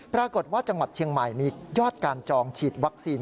ปรากฏว่าจังหวัดเชียงใหม่มียอดการจองฉีดวัคซีน